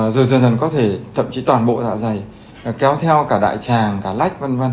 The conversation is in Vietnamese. rồi dần dần có thể thậm chí toàn bộ dạ dày kéo theo cả đại tràng cả lách v v